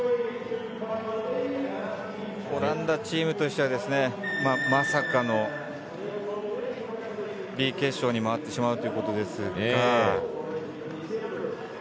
オランダチームとしてはまさかのＢ決勝に回ってしまうということですが。